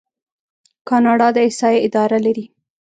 کاناډا د احصایې اداره لري.